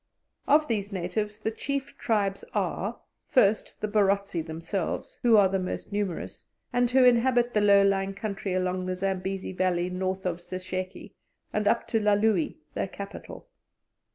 Of these natives the chief tribes are, first, the Barotse themselves, who are the most numerous, and who inhabit the low lying country along the Zambesi Valley north of Sesheke, and up to Lia Lui, their capital.